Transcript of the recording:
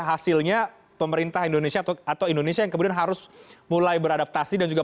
hasilnya pemerintah indonesia atau indonesia yang kemudian harus mulai beradaptasi dan juga